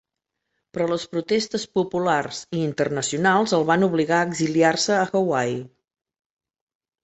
Però les protestes populars i internacionals el van obligar a exiliar-se a Hawaii.